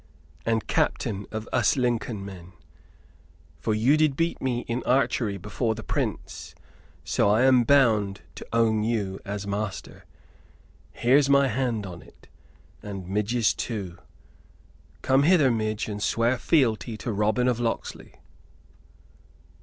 And captain of us Lincoln men; for you did beat me in archery before the Prince, so I am bound to own you as master. Here's my hand on it; and Midge's too. Come hither, Midge, and swear fealty to Robin of Locksley."